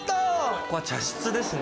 ここは茶室ですね。